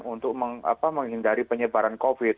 untuk menghindari penyebaran covid